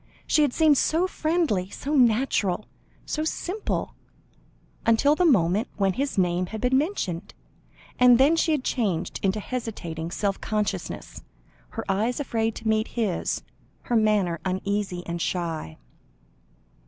She had seemed so friendly, so natural, so simple, until the moment when his name had been mentioned, and then she had changed into hesitating self consciousness, her eyes afraid to meet his, her manner uneasy and shy.